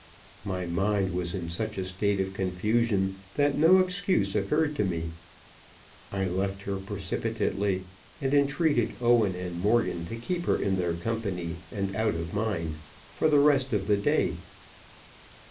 My mind was in such a state of confusion that no excuse occurred to me. I left her precipitately, and entreated Owen and Morgan to keep her in their company, and out of mine, for the rest of the day.